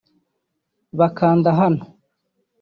bakanda hano